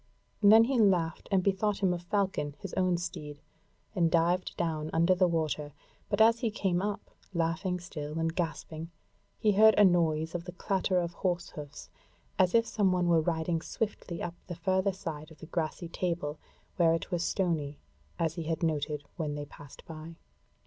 Then he laughed and bethought him of Falcon his own steed, and dived down under the water; but as he came up, laughing still and gasping, he heard a noise of the clatter of horse hoofs, as if some one were riding swiftly up the further side of the grassy table, where it was stony, as he had noted when they passed by.